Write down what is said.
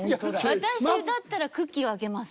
私だったらクッキーをあげます。